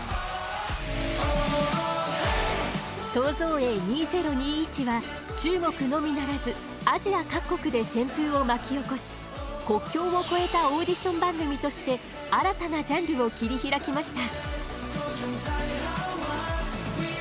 「創造営２０２１」は中国のみならずアジア各国で旋風を巻き起こし国境を越えたオーディション番組として新たなジャンルを切り開きました。